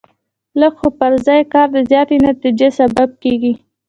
لږ خو پر ځای کار د زیاتې نتیجې سبب کېږي.